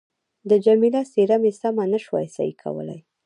د جميله څېره مې سمه نه شوای صحیح کولای.